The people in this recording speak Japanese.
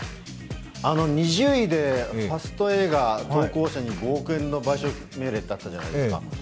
２０位でファスト映画、投稿者に５億円の賠償命令ってあったじゃないですか。